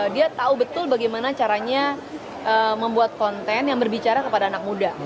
dia tahu betul bagaimana caranya membuat konten yang berbicara kepada anak muda